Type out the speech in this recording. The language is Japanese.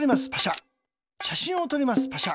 パシャ。